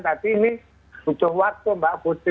tapi ini butuh waktu mbak putri